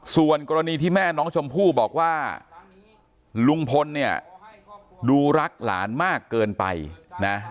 ส่วนกรณีที่แม่น้องชมพู่บอกว่าลุงพลเนี่ยดูรักหลานมากเกินไปนะ